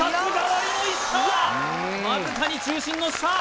わずかに中心の下！